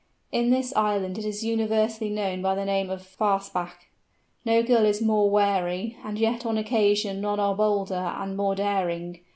In this island it is universally known by the name of "Farspach." No Gull is more wary, and yet on occasion none are bolder and more daring.